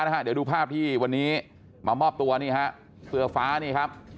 เดี๋ยวดูภาพที่วันนี้มามอบตัวนี่ฮะเสื้อฟ้านี่ครับ